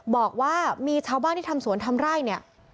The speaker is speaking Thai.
บอกว่ามีชาวบ้านที่ทำสวนทำไร่เนี่ย